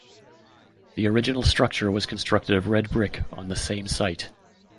The original structure was constructed of red brick on the same site.